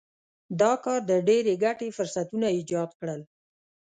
دا کار د ډېرې ګټې فرصتونه ایجاد کړل.